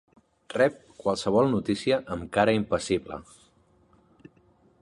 Rep qualsevol notícia amb cara impassible.